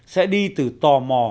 sẽ đi từ tò mò